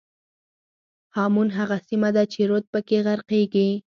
هامون هغه سیمه ده چې رود پکې غرقېږي.